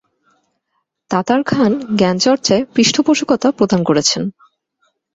তাতার খান জ্ঞানচর্চায় পৃষ্ঠপোষকতা প্রদান করেছেন।